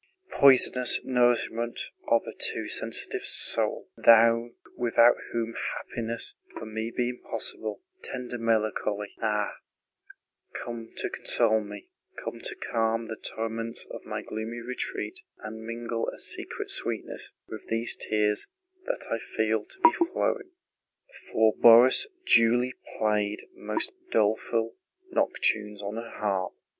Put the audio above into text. * *Poisonous nourishment of a too sensitive soul, Thou, without whom happiness would for me be impossible, Tender melancholy, ah, come to console me, Come to calm the torments of my gloomy retreat, And mingle a secret sweetness With these tears that I feel to be flowing. For Borís, Julie played most doleful nocturnes on her harp.